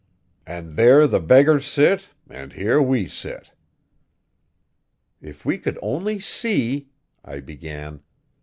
And there the beggars sit, and here we sit!" "If we could only see " I began.